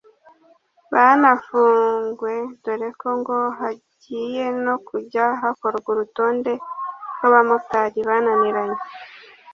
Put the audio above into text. banafungwe dore ko ngo hagiye no kujya hakorwa urutonde rw’abamotari bananiranye